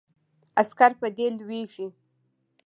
عسکر په دې لویږي.